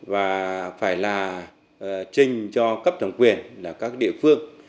và phải là trình cho cấp thẩm quyền là các địa phương